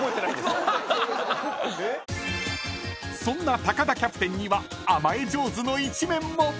［そんな田キャプテンには甘え上手の一面も］